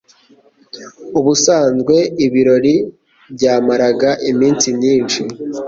Ubusanzwe ibirori byamaraga iminsi myinshi.